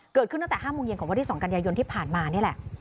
เกิดขึ้นตั้งแต่๕โมงเย็นของวันที่๒กันยายนที่ผ่านมานี่แหละ